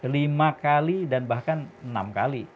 lima kali dan bahkan enam kali